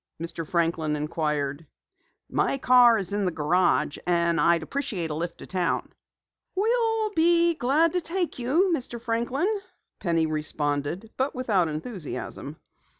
Mr. Franklin inquired. "My car is in the garage, and I'll appreciate a lift to town." "We'll be glad to take you, Mr. Franklin," Penny responded, but without enthusiasm.